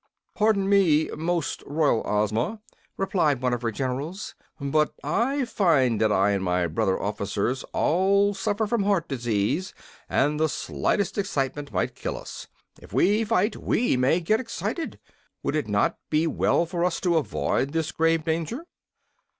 "Pardon me, Most Royal Ozma," replied one of her generals; "but I find that I and my brother officers all suffer from heart disease, and the slightest excitement might kill us. If we fight we may get excited. Would it not be well for us to avoid this grave danger?"